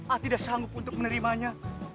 ah tidak sanggup untuk menerimanya